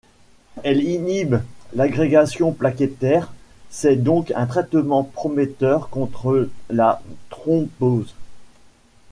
Elle inhibe l'agrégation plaquettaire, c'est donc un traitement prometteur contre la thrombose.